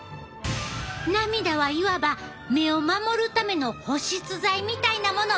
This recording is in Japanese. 涙はいわば目を守るための保湿剤みたいなものってわけやな。